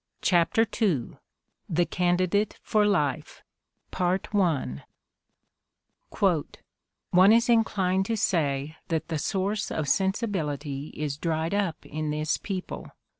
CHAPTER II THE CANDIDATE POK LIFE "One is inclined to say that the source of sensibility ia dried up in this people.